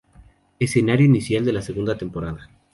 Escenario inicial de la segunda temporada.